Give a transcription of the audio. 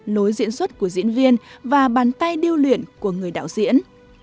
lối diễn xuất của diễn viên và bàn tay điêu luyện của người đạo diễn